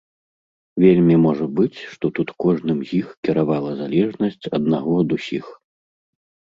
Вельмі можа быць, што тут кожным з іх кіравала залежнасць аднаго ад усіх.